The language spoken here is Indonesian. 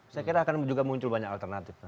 saya kira akan juga muncul banyak alternatif